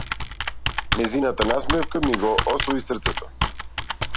Нејзината насмевка ми го освои срцето.